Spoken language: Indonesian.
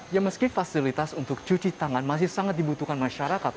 ya meski fasilitas untuk cuci tangan masih sangat dibutuhkan masyarakat